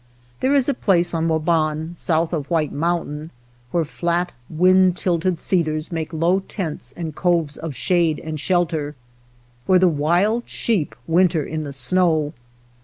There is a place on Waban, south of White Mountain, where flat, wind tilted cedars make low tents and coves of shade and shelter, where the wild sheep winter in the snow.